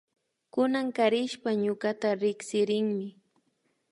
Kunankarishpa ñukata riksirinmi